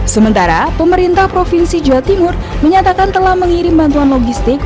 sementara pemerintah provinsi jawa timur menyatakan telah mengirim bantuan logistik